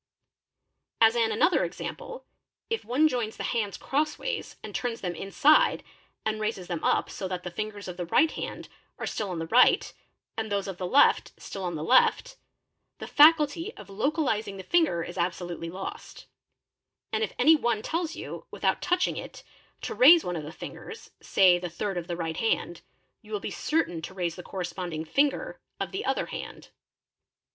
As an another example, if one joins the hands — crossways and turns them inside and raises them up so that the fingers of the right hand are still on the right and those of the left still on the ~ left, the faculty of localising the finger is absolutely lost; and if any one : tells you, without touching it, to raise one of the fingers, say the third of — the right hand, you will be certain to raise the corresponding finger of — the other hand.